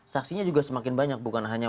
saksinya juga semakin banyak bukan hanya